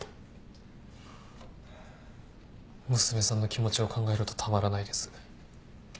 娘さんの気持ちを考えるとたまらないです。